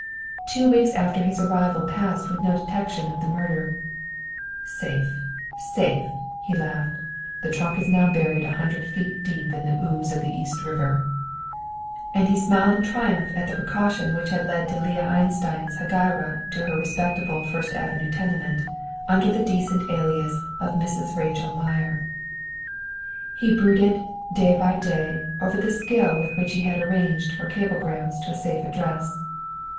Two weeks after his arrival passed with no detection of the murder. "Safe, safe!" he laughed. "The trunk is now buried a hundred feet deep in the ooze of the East River." And he smiled in triumph at the precaution which had led to Leah Einstein's hegira to her respectable First Avenue tenement, under the decent alias of Mrs. Rachel Meyer. He brooded, day by day, over the skill with which he had arranged for cablegrams to a safe address.